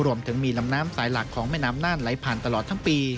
รวมถึงมีลำน้ำสายหลักของแม่น้ำน่านไหลผ่านตลอดทั้งปี